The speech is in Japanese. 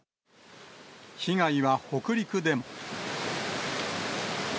被害は北陸でも。